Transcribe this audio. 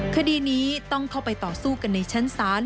คดีนี้ต้องเข้าไปต่อสู้กันในชั้นศาล